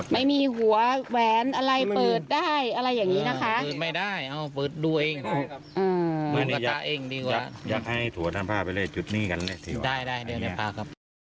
ไม่มีหัวแหวนอะไรเปิดได้อะไรอย่างนี้นะคะ